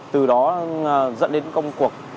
từ đó dẫn đến công cuộc